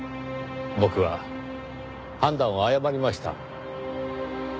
僕は判断を誤りました。